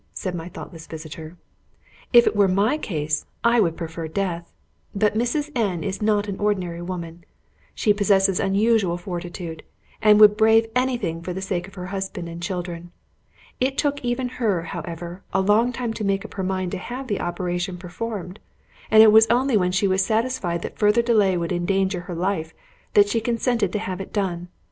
said my thoughtless visitor. "If it were my case, I would prefer death. But Mrs. N is not an ordinary woman. She possesses unusual fortitude, and would brave any thing for the sake of her husband and children. It took even her, however, a long time to make up her mind to have the operation performed; and it was only when she was satisfied that further delay would endanger her life, that she consented to have it done.